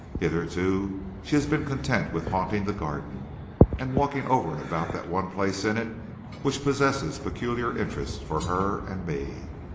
Hitherto she has been content with haunting the garden, and walking over and about that one place in it which possesses peculiar interest for her and me.